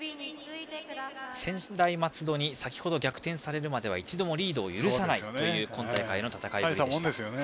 専大松戸に先程、逆転されるまでは一度もリードを許さないという今大会の戦いぶりでした。